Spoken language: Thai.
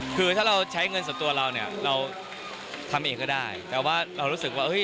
คือถ้าเราใช้เงินส่วนตัวเราเนี่ยเราทำเองก็ได้แต่ว่าเรารู้สึกว่าเฮ้ย